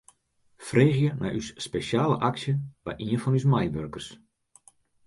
Freegje nei ús spesjale aksje by ien fan ús meiwurkers.